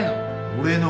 俺の。